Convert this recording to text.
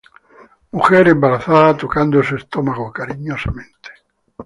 Mujer embarazada tocando su estómago cariñosamente.